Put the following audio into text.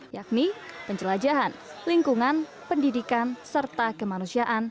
yakni penjelajahan lingkungan pendidikan serta kemanusiaan